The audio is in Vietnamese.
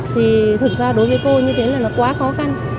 thì thực ra đối với cô như thế là nó quá khó khăn